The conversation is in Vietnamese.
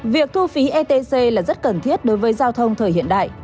việc thu phí etc là rất cần thiết đối với giao thông thời hiện đại